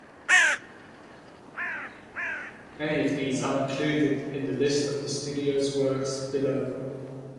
Many of these are included in the list of the studio's works below.